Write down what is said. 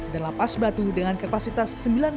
dan lapas batu dengan kapasitas sembilan puluh enam